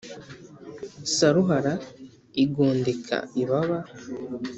Saruhara igondeka ibaba